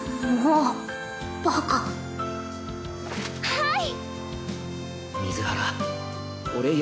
はい！